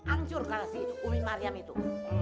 ancurkan si umi mariam itu